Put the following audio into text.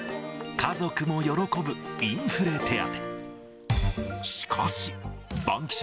家族も喜ぶインフレ手当。